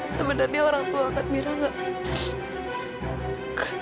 sebenarnya orang tua angkat mira gak